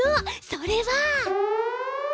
それは。